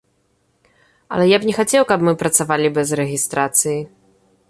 Але я б не хацеў, каб мы працавалі без рэгістрацыі.